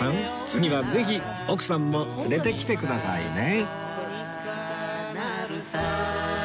次はぜひ奥さんも連れてきてくださいね！